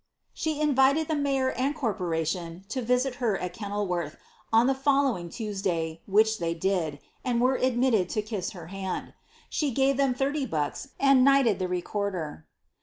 "' She invited the mayor and corporation to visit her at Kenil worth, on the following Tuesday, which they did, and were admitted to kiss her hand. She gave them thirty bucks, and knighted the recorder.